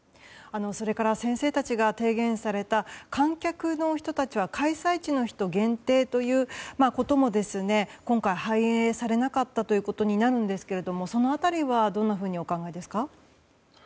それから先生たちが提言された観客の人たちは開催地の人限定ということも今回、反映されなかったということになりますがその辺りはどんなふうにお考えですか。